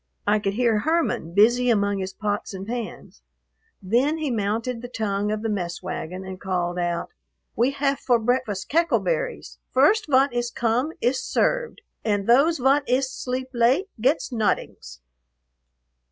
I could hear Herman, busy among his pots and pans. Then he mounted the tongue of the mess wagon and called out, "We haf for breakfast cackle berries, first vot iss come iss served, und those vot iss sleep late gets nodings."